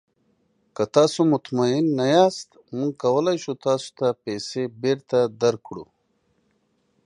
که تاسو مطمین نه یاست، موږ کولی شو تاسو ته پیسې بیرته درکړو.